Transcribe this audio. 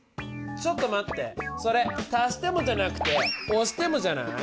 ちょっと待ってそれ足してもじゃなくて押してもじゃない？